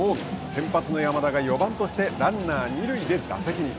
先発の山田が４番としてランナー二塁で打席に。